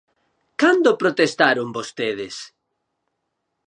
¿Cando protestaron vostedes?